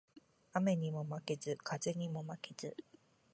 雨ニモ負ケズ、風ニモ負ケズ